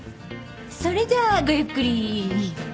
それじゃあごゆっくり。